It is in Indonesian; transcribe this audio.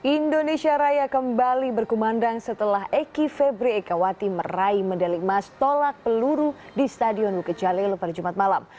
indonesia raya kembali berkumandang setelah eki febri ekawati meraih medali emas tolak peluru di stadion bukit jalil pada jumat malam